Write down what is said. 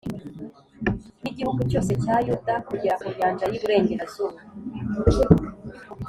n’igihugu cyose cya Yuda kugera ku nyanja y’iburengerazuba,